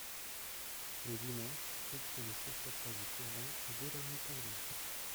Le dimanche, Étienne s'échappa du coron, dès la nuit tombée.